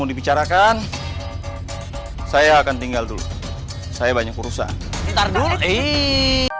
dibicarakan saya akan tinggal dulu saya banyak urusan taruh iii